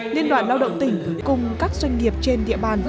liên đoàn lao động tỉnh cùng các doanh nghiệp trên địa bàn